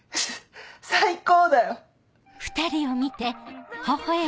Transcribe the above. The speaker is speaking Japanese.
最高だよ！